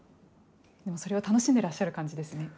それを楽しんでいらっしゃる感じですね。